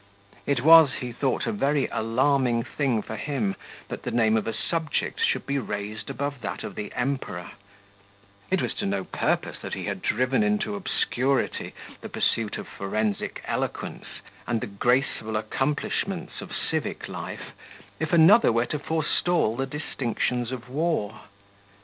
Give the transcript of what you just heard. It was, he thought, a very alarming thing for him that the name of a subject should be raised above that of the Emperor; it was to no purpose that he had driven into obscurity the pursuit of forensic eloquence and the graceful accomplishments of civic life, if another were to forestall the distinctions of war.